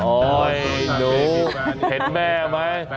โอ้ยหนูเห็นแม่ไหม